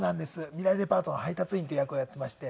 未来デパートの配達員っていう役をやっていまして。